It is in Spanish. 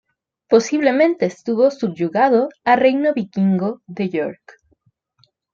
Posiblemente estuvo subyugado a reino vikingo de York.